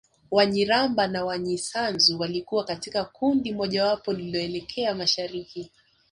Wanyiramba na Wanyisanzu walikuwa katika kundi mojawapo lililoelekea mashariki